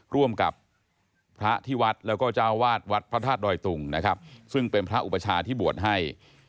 ร่วมกับพระที่วัดแล้วก็เจ้าวาดวัดพระธาตุดอยตุงนะครับซึ่งเป็นพระอุปชาที่บวชให้